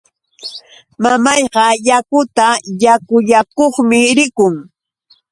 Mamayqa yakuta yakullakuqmi rikun.